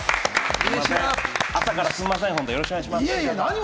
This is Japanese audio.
朝からすいません、よろしくお願いします。